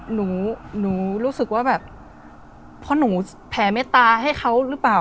หนูหนูรู้สึกว่าแบบเพราะหนูแผ่เมตตาให้เขาหรือเปล่า